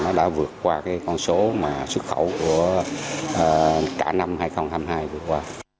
nó đã vượt qua cái con số mà xuất khẩu của cả năm hai nghìn hai mươi hai vừa qua